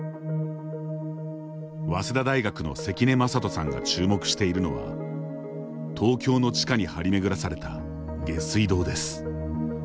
早稲田大学の関根正人さんが注目しているのは東京の地下に張り巡らされた下水道です。